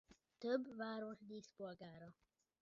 Több város díszpolgára.